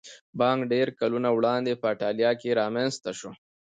بانک ډېر کلونه وړاندې په ایټالیا کې رامنځته شو